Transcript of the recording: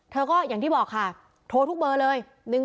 อย่างที่บอกค่ะโทรทุกเบอร์เลย